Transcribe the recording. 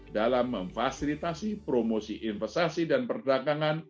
dalam memfasilitasi promosi investasi dan perdagangan